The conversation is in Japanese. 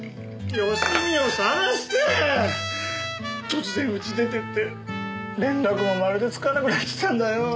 突然家出てって連絡もまるでつかなくなっちゃったんだよ。